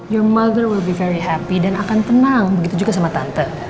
yo mother well be very happy dan akan tenang begitu juga sama tante